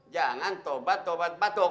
jangan tobat tobat batuk